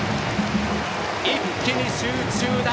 一気に集中打。